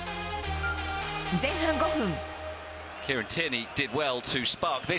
前半５分。